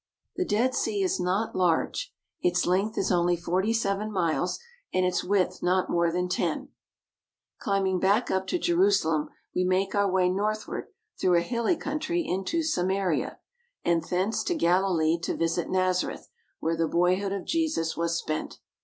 The Dead Sea is not large. Its 358 ASIATIC TURKEY Two Girls of Bethlehem. ASIATIC TURKEY 359 length is only forty seven miles and its width not more than ten Climbing back up to Jerusalem, we make our way northward through a hilly country into Samaria, and thence to Galilee to visit Nazareth, where the boyhood of Jesus was spent.